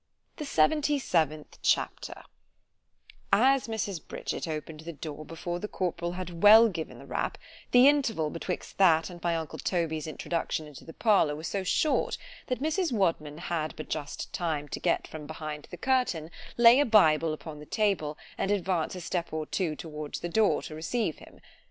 _" The Seventy seventh Chapter AS Mrs. Bridget opened the door before the corporal had well given the rap, the interval betwixt that and my uncle Toby's introduction into the parlour, was so short, that Mrs. Wadman had but just time to get from behind the curtain——lay a Bible upon the table, and advance a step or two towards the door to receive him.